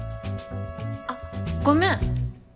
あっごめん。